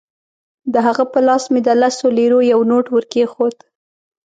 د هغه په لاس کې مې د لسو لیرو یو نوټ ورکېښود.